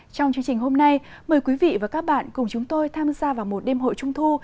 trong chương trình hôm nay mời quý vị và các bạn cùng chúng tôi tham gia vào một đêm hội trung thu